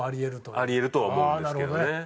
あり得るとは思うんですけどね。